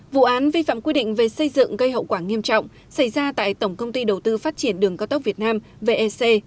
vụ án vi phạm quy định về xây dựng gây hậu quả nghiêm trọng xảy ra tại tổng công ty đầu tư phát triển đường cao tốc việt nam vec